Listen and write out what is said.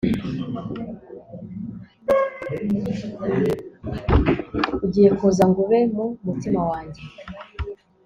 ugiye kuza ngo ube mu mutima wanjye